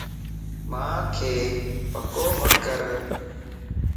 مانک پڪو مَ مڪر